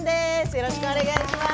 よろしくお願いします。